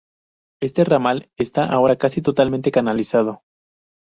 Este ramal está ahora casi totalmente canalizado.